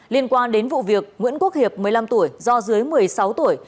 liên quan đến vụ việc nguyễn quốc hiệp một mươi năm tuổi do dưới một mươi sáu tuổi